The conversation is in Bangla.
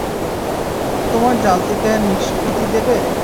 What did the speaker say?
তোমার জাল থেকে নিষ্কৃতি দেবে।